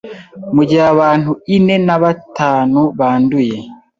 mu gihe abantu ine nabatanu banduye